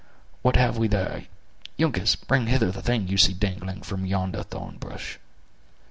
"What have we there? Uncas, bring hither the thing you see dangling from yonder thorn bush."